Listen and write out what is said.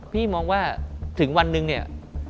พี่มองว่าถึงวันหนึ่งเนี่ย